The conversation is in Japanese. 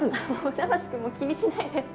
船橋くんも気にしないで。